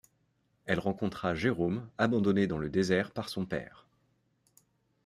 Elle rencontra Jérome, abandonné dans le désert par son père.